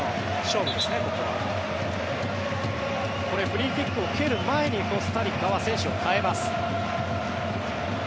フリーキックを蹴る前にコスタリカは選手を代えます。